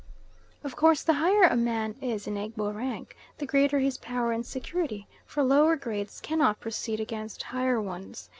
Of course the higher a man is in Egbo rank, the greater his power and security, for lower grades cannot proceed against higher ones.